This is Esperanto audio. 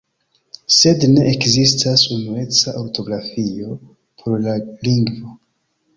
Sed ne ekzistas unueca ortografio por la lingvo.